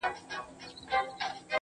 • ميئن د كلي پر انجونو يمه.